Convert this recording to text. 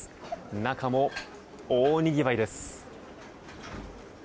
中も、大にぎわいです。